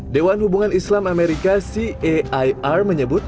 dewan hubungan islam amerika cair menyebut